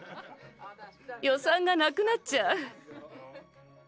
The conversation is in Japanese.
予算がなくなっちゃう。